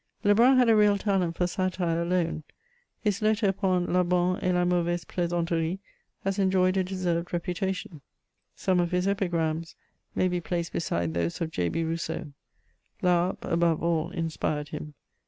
Lebrun had a real talent for satire alone ; his letter upon La bonne et la mauvaise plaisauterie has enjoyed a deserved reputation. Some of his epigrams may be placed beside those of J. B. Rousseau : Laharpe above all inspired him.